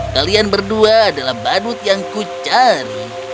kalian berdua adalah badut yang kucar